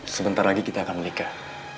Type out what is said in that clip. sebentar lagi kita akan menikah